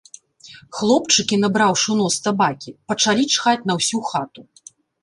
Хлопчыкі набраўшы ў нос табакі, пачалі чхаць на ўсю хату.